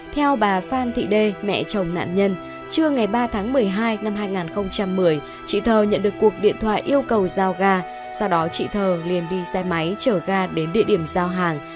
theo bà phan thị đê mẹ chồng nạn nhân trưa ngày ba tháng một mươi hai năm hai nghìn một mươi chị thơ nhận được cuộc điện thoại yêu cầu giao ga sau đó chị thơ liền đi xe máy chở ga đến địa điểm giao hàng